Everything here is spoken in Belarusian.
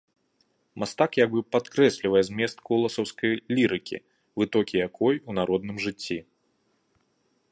Мастак як бы падкрэслівае змест коласаўскай лірыкі, вытокі якой у народным жыцці.